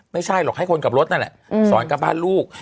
ไม่ใช่หรอกให้คนขับรถนั่นแหละสอนกลับบ้านลูก